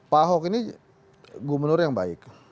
pak ahok ini gubernur yang baik